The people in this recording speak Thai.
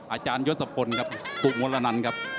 อาจารย์ยนต์ศัพท์คนครับกรุงวลนั้นครับ